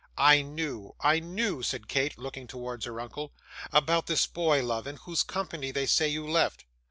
'I knew, I knew,' said Kate, looking towards her uncle. 'About this boy, love, in whose company they say you left?